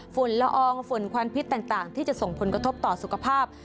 ฝุ่นละอองฝุ่นควันพิษต่างที่จะส่งผลกระทบต่อสุขภาพ